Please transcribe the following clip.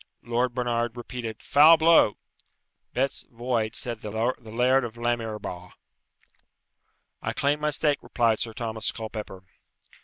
Lord Barnard repeated, "Foul blow." "Bets void!" said the Laird of Lamyrbau. "I claim my stake!" replied Sir Thomas Colpepper.